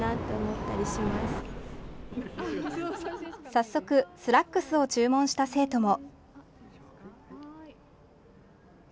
早速、スラックスを注文した生徒も。